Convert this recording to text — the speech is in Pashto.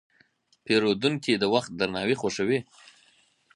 پیرودونکی د وخت درناوی خوښوي.